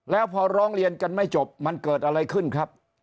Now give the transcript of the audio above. แล้วพอร้องเรียนกันไม่จบมันเกิดอะไรขึ้นครับ